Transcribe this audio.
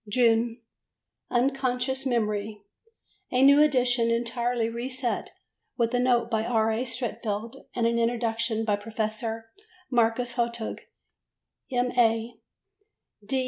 June. Unconscious Memory, a new edition entirely reset with a note by R. A. Streatfeild and an introduction by Professor Marcus Hartog, M.A.